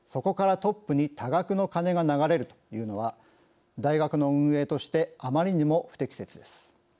トップに多額の金が流れるというのは大学の運営としてあまりにも不適切です。